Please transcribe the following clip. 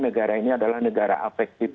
negara ini adalah negara afektif